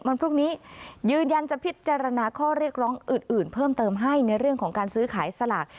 วันพรุ่งนี้ยืนยันจะพิจารณาข้อเรียกร้องอื่นเพิ่มเติมให้ในเรื่องของการซื้อขายสลาก